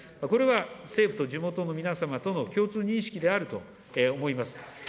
これは政府と地元の皆様との共通認識であると思います。